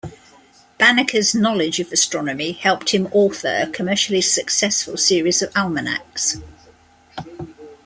Banneker's knowledge of astronomy helped him author a commercially successful series of almanacs.